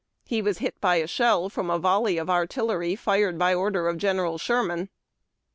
He was hit by a shell from a volley of artillery fired by order of General Sherman.